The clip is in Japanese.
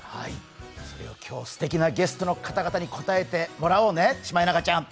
それを今日、すてきなゲストの方々に答えてもらおうね。